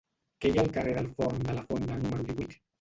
Què hi ha al carrer del Forn de la Fonda número divuit?